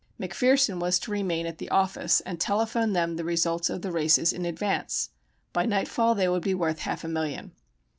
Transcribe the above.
McPherson was to remain at the "office" and telephone them the results of the races in advance. By nightfall they would be worth half a million.